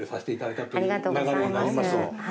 ありがとうございます。